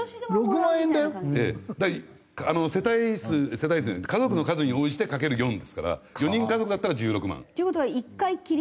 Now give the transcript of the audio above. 世帯数家族の数に応じてかける４ですから４人家族だったら１６万。っていう事は１回きり？